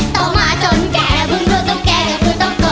ต่อมาจนแกบึงรู้ตุ๊กแกก็คือตุ๊กโต